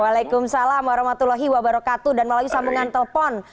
waalaikumsalam warahmatullahi wabarakatuh dan melalui sambungan telepon